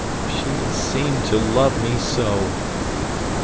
"She seemed to love me so!"